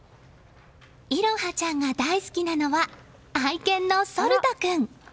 彩羽ちゃんが大好きなのは愛犬のソルト君。